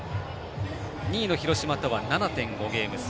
２位の広島とは７．５ゲーム差。